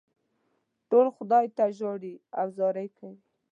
ټول خدای ته ژاړي او زارۍ کوي.